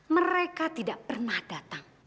mereka tidak pernah datang